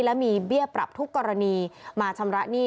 และมีเบี้ยปรับทุกกรณีมาชำระหนี้